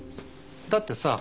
だってさあ